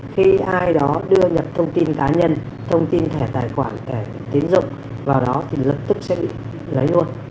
khi ai đó đưa nhập thông tin cá nhân thông tin thẻ tài khoản thẻ tiến dụng vào đó thì lập tức sẽ lấy luôn